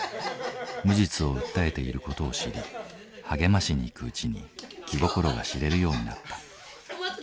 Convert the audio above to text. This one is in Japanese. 無実を訴えている事を知り励ましに行くうちに気心が知れるようになった。